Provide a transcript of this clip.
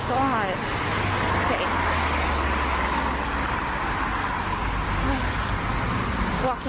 โอ้โห